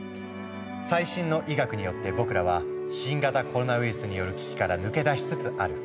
最新の医学によって僕らは新型コロナウイルスによる危機から抜け出しつつある。